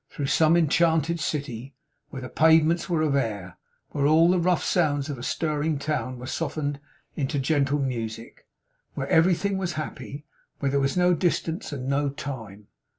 Through some enchanted city, where the pavements were of air; where all the rough sounds of a stirring town were softened into gentle music; where everything was happy; where there was no distance, and no time.